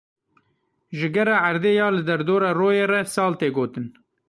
Ji gera erdê ya li derdora royê re sal tê gotin.